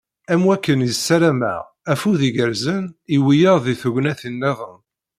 Am wakken i ssarameɣ, afud igerrzen, i wiyaḍ deg tegnatin-nniḍen».